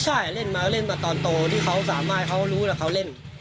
ใช่เล่นมาเล่นมาตอนโตที่เขาสามารถเขารู้แล้วเขาเล่น